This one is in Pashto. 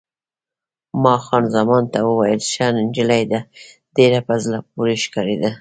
ما خان زمان ته وویل: ښه نجلۍ ده، ډېره په زړه پورې ښکارېده.